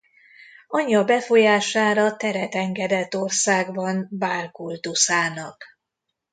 Anyja befolyására teret engedett országban Baál kultuszának.